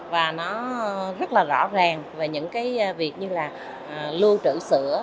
và nó rất là rõ ràng về những cái việc như là lưu trữ sữa